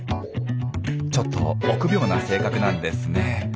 ちょっと臆病な性格なんですね。